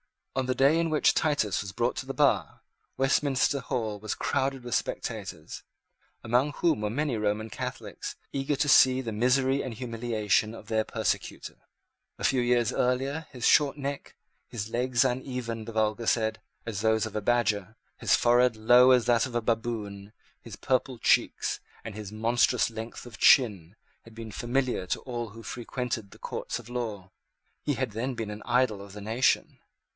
On the day in which Titus was brought to the bar, Westminster Hall was crowded with spectators, among whom were many Roman Catholics, eager to see the misery and humiliation of their persecutor. A few years earlier his short neck, his legs uneven, the vulgar said, as those of a badger, his forehead low as that of a baboon, his purple cheeks, and his monstrous length of chin, had been familiar to all who frequented the courts of law. He had then been the idol of the nation.